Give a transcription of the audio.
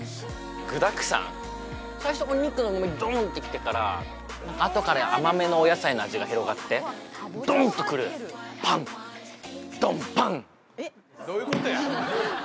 具だくさん最初お肉がドーンときてからあとから甘めのお野菜の味が広がってドーンとくるパン